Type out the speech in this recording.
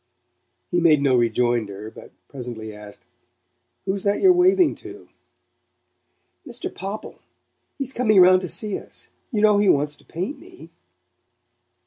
He made no rejoinder, but presently asked: "Who's that you're waving to?" "Mr. Popple. He's coming round to see us. You know he wants to paint me."